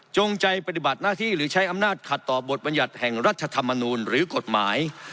ใจปฏิบัติหน้าที่หรือใช้อำนาจขัดต่อบทบรรยัติแห่งรัฐธรรมนูลหรือกฎหมาย